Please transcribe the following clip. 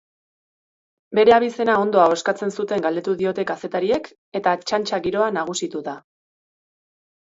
Bere abizena ondo ahoskatzen zuten galdetu diote kazetariek eta txantxa giroa nagusitu da.